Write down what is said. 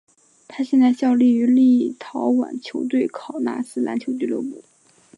他现在效力于立陶宛球队考纳斯篮球俱乐部。